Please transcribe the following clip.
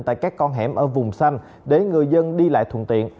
tại các con hẻm ở vùng xanh để người dân đi lại thuận tiện